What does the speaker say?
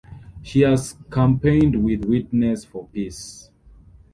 She has campaigned with Witness for Peace.